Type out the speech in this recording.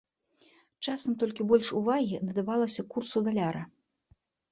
Часам толькі больш увагі надавалася курсу даляра.